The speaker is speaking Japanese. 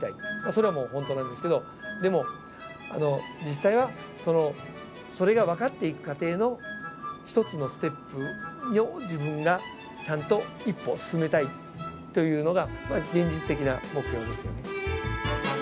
それは本当なんですけどでも実際はそれが分かっていく過程の１つのステップを自分がちゃんと１歩進めたいというのが現実的な目標ですよね。